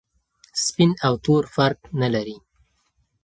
سپین او تور فرق نلري.